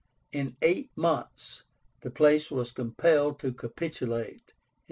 In eight months the place was compelled to capitulate (219).